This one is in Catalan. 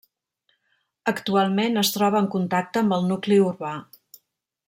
Actualment es troba en contacte amb el nucli urbà.